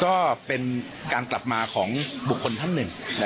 ก็เป็นการกลับมาของบุคคลท่านหนึ่ง